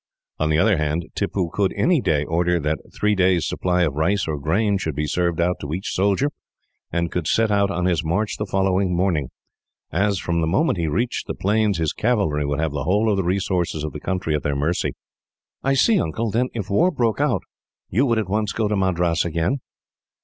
"On the other hand, Tippoo could, any day, order that three days' supply of rice or grain should be served out to each soldier, and could set out on his march the following morning; as, from the moment he reached the plains, his cavalry would have the whole of the resources of the country at their mercy." "I see, Uncle. Then, if war broke out, you would at once go to Madras again?"